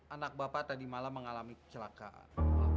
anak bapak tadi malam mengalami kecelakaan